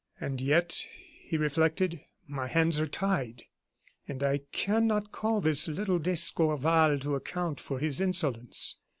"And yet," he reflected, "my hands are tied; and I cannot call this little d'Escorval to account for his insolence.